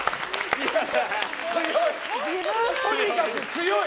強い！